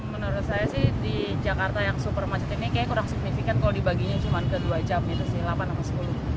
menurut saya sih di jakarta yang super macet ini kayaknya kurang signifikan kalau dibaginya cuma ke dua jam gitu sih delapan atau sepuluh